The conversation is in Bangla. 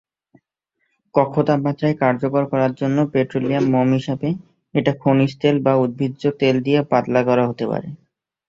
কক্ষ তাপমাত্রায় কার্যকর করার জন্য পেট্রোলিয়াম মোম হিসাবে, এটা খনিজ তেল বা উদ্ভিজ্জ তেল দিয়ে পাতলা করা হতে পারে।